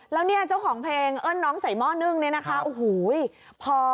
แล้วเนี่ยเจ้าของเพลงเอิ้นน้องใส่หม้อนึ่งเนี่ยนะคะโอ้โหพอ